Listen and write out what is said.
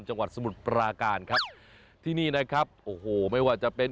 จังหวัดสมุทรปราการครับที่นี่นะครับโอ้โหไม่ว่าจะเป็น